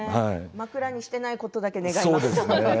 枕にしていないことだけを祈りますね。